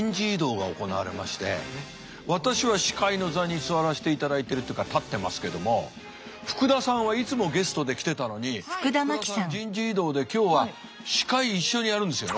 私は司会の座に座らせていただいてるっていうか立ってますけども福田さんはいつもゲストで来てたのに福田さん人事異動で今日は司会一緒にやるんですよね